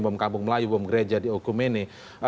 bom kampung melayu bom gereja di okumene